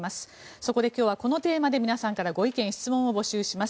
そこで今日はこのテーマで皆さんからご意見・ご質問を募集します。